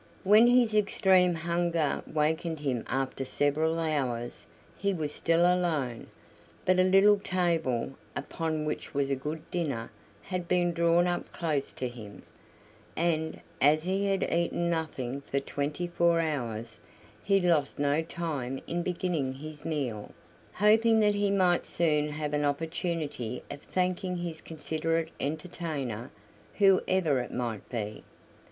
When his extreme hunger wakened him after several hours, he was still alone; but a little table, upon which was a good dinner, had been drawn up close to him, and, as he had eaten nothing for twenty four hours, he lost no time in beginning his meal, hoping that he might soon have an opportunity of thanking his considerate entertainer, whoever it might be.